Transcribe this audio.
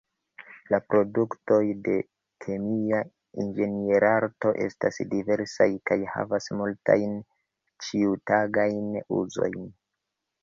La produktoj de kemia inĝenierarto estas diversaj kaj havas multajn ĉiutagajn uzojn.